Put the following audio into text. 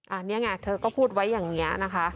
อันนี้ไงเธอก็พูดไว้อย่างนี้นะคะ